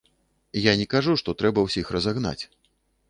Я не кажу, што трэба ўсіх разагнаць.